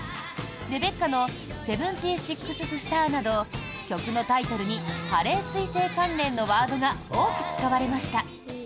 ＲＥＢＥＣＣＡの「７６ｔｈＳｔａｒ」など曲のタイトルにハレー彗星関連のワードが多く使われました。